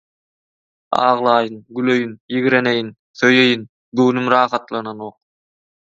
Aglaýyn, güleýin, ýigreneýin, söýeýin – göwnüm rahatlananok.